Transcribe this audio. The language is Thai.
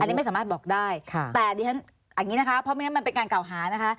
อันนี้ไม่สามารถบอกได้แต่ดิฉันอย่างนี้นะคะเพราะไม่งั้นมันเป็นการเก่าหานะคะ